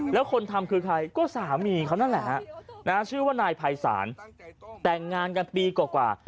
แล้วคนทำคือใครก็สามีเขานั่นแหละฮะชื่อว่านายภัยศาลแต่งงานกันปีกว่า